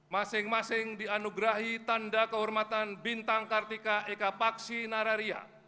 masing masing dianugerahi tanda kehormatan bintang kartika eka paksi nararia